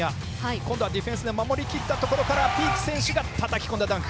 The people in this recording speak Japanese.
今度はディフェンスで守りきったところからピーク選手がたたき込んだダンク。